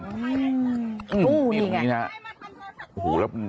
กู้งี้แหละ